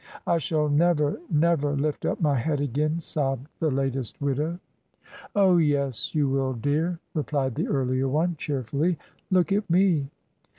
"I shall never never lift up my head again," sobbed the latest widow. "Oh, yes, you will, dear," replied the earlier one, cheerfully: "look at me!"